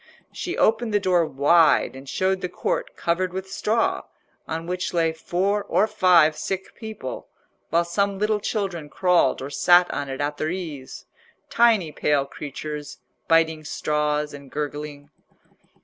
She opened the door wide and showed the court covered with straw, on which lay four or five sick people, while some little children crawled or sat on it at their ease—tiny pale creatures, biting straws and gurgling.